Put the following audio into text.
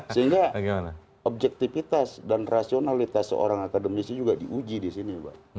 sehingga objektivitas dan rasionalitas seorang akademisi juga diuji di sini